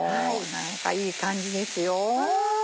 何かいい感じですよ。